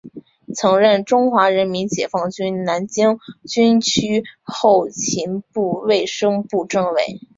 曾任中国人民解放军南京军区后勤部卫生部政委。